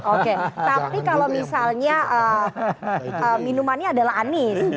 oke tapi kalau misalnya minumannya adalah anies